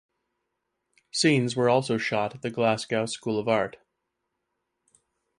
Scenes were also shot at the Glasgow School of Art.